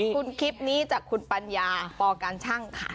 คุณคลิปนี้จากคุณปัญญาปการชั่งค่ะ